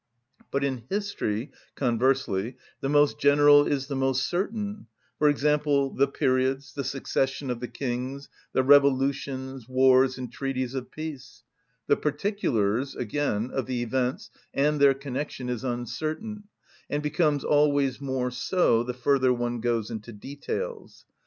But in history, conversely, the most general is the most certain; for example, the periods, the succession of the kings, the revolutions, wars, and treaties of peace; the particulars, again, of the events and their connection is uncertain, and becomes always more so the further one goes into details.